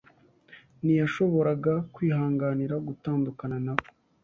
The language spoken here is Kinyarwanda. Ntiyashoboraga kwihanganira gutandukana na we.